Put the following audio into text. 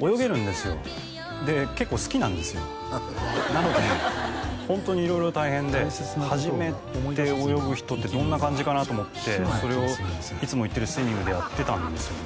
泳げるんですよで結構好きなんですよなのでホントに色々大変で初めて泳ぐ人ってどんな感じかなと思ってそれをいつも行ってるスイミングでやってたんですよね